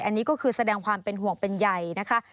อันนี้ก็คือแสดงความเป็นห่วงเป็นใหญ่นะคะ